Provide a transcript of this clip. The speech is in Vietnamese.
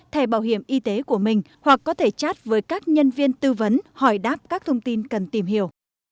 thẻ bảo hiểm y tế của mình hoặc có thể chat với các nhân viên tư vấn hỏi đáp các thông tin cần tìm hiểu